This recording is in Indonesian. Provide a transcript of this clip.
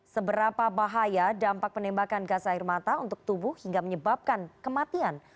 seberapa bahaya dampak penembakan gas air mata untuk tubuh hingga menyebabkan kematian